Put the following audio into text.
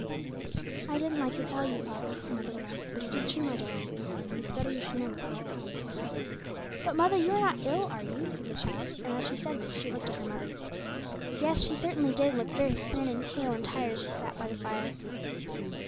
'I didn't like to tell you, Poppy,' her mother went on; 'but it is true, my darling, and it's better you should know before it comes.' 'But, mother, you are not ill, are you?' said the child; and as she said this she looked at her mother. Yes, she certainly did look very thin, and pale, and tired, as she sat by the fire.